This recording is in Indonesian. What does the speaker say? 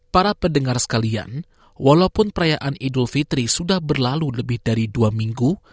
para pendengar sekalian walaupun perayaan idul fitri sudah berlalu lebih dari dua minggu